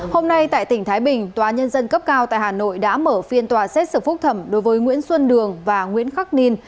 hôm nay tại tỉnh thái bình tòa nhân dân cấp cao tại hà nội đã mở phiên tòa xét xử phúc thẩm đối với nguyễn xuân đường và nguyễn khắc ninh